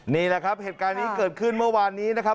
นี่แหละครับเหตุการณ์นี้เกิดขึ้นเมื่อวานนี้นะครับ